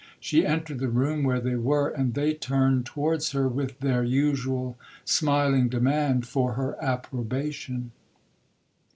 She entered the room where they were, and they turned towards her with their usual smiling demand for her approbation.